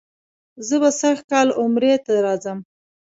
زه به سږ کال عمرې ته راځم.